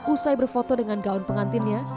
usai berfoto dengan gaun pengantinnya